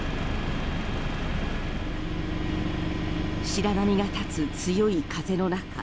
白波が立つ強い風の中